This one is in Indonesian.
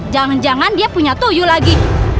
jangan jangan dia punya tujuh lagi